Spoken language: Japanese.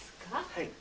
はい。